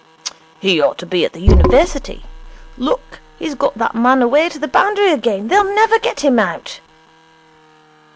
'He ought to be at the University. Look, he's got that man away to the boundary again. They'll never get him out.'